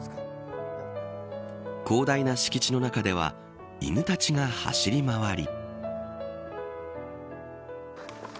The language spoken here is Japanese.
広大な敷地の中では犬たちが走り回り。